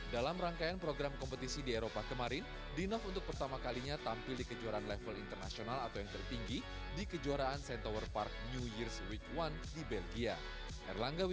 dalam rangkaian program kompetisi di eropa kemarin dinov untuk pertama kalinya tampil di kejuaraan level internasional atau yang terpinggi di kejuaraan centaur park new year's week satu di belanda